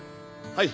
はい。